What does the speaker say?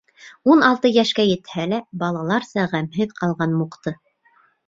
Ун алты йәшкә етһә лә, балаларса ғәмһеҙ ҡалған Мукты: